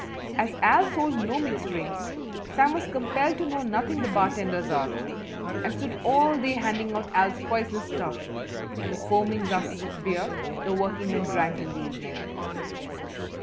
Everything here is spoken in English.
As Al sold no mixed drinks Sam was compelled to know nothing the bartender's art and stood all day handing out Al's poisonous stuff and the foaming glasses of beer the workingmen drank in the evening.